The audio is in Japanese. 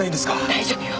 大丈夫よ！